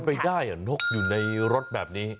ไม่ได้เหรอนกอยู่ในรถแบบนี้